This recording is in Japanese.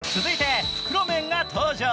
続いて袋麺が登場。